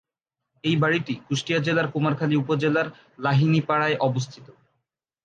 এই বাড়িটি কুষ্টিয়া জেলার কুমারখালী উপজেলার লাহিনীপাড়ায় অবস্থিত।